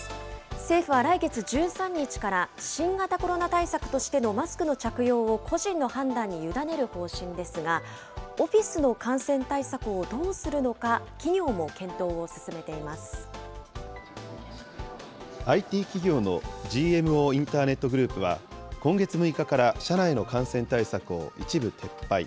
政府は来月１３日から、新型コロナ対策としてのマスクの着用を個人の判断に委ねる方針ですが、オフィスの感染対策をどうするのか、ＩＴ企業のＧＭＯインターネットグループは、今月６日から社内の感染対策を一部撤廃。